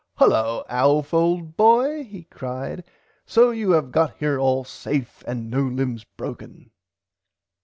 Hullo Alf old boy he cried so you have got here all safe and no limbs broken.